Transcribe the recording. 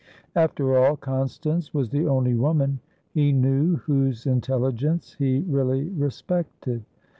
After all, Constance was the only woman he knew whose intelligence he really respected.